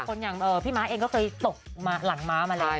อย่างพี่ม้าเองก็เคยตกหลังม้ามาแล้ว